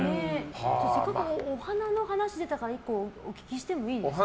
せっかくお鼻の話が出たから、１個お聞きしてもいいですか。